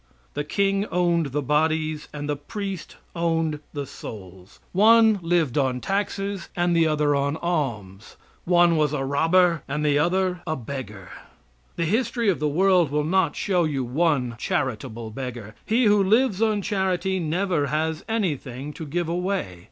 The king owned the bodies and the priest owned the souls; one lived on taxes and the other on alms; one was a robber and the other a beggar. The history of the world will not show you one charitable beggar. He who lives on charity never has anything to give away.